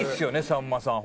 さんまさん